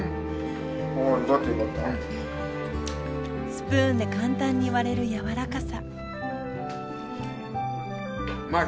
スプーンで簡単に割れるやわらかさ。